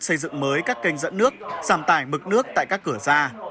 xây dựng mới các kênh dẫn nước giảm tải bực nước tại các cửa ra